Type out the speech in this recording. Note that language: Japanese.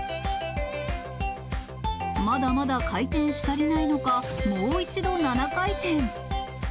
まだまだ回転し足りないのか、もう一度７回転。